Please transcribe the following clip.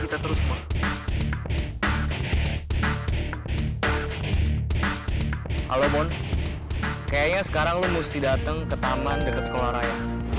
kita harus pikirkan gimana jawabannya